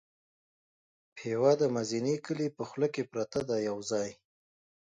پېوه د مزینې کلي په خوله کې پرته ده یو ځای.